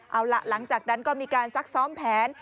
เอาล่ะหลังจากนั้นก็มีการซักซ้อมแผน